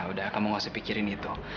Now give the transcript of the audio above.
udah kamu gak usah pikirin itu